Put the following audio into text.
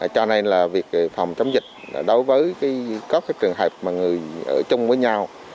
cho nên là việc phòng chống dịch đối với các trường hợp mà người ở chung với nhau